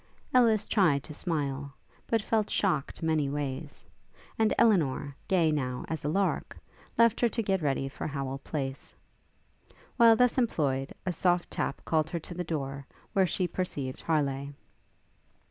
Ellis tried to smile, but felt shocked many ways; and Elinor, gay, now, as a lark, left her to get ready for Howel Place. While thus employed, a soft tap called her to the door, where she perceived Harleigh.